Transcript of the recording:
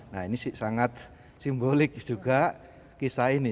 nah ini sangat simbolik juga kisah ini